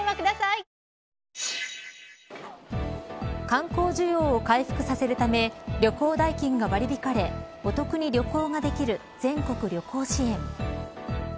観光需要を回復させるため旅行代金が割り引かれお得に旅行ができる全国旅行支援。